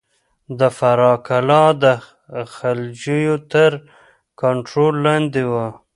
د فراه کلا د غلجيو تر کنټرول لاندې وه.